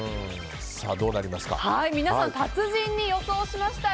皆さん、達人に予想しましたよ。